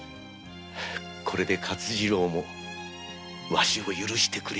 これで勝次郎もわしを許してくれような。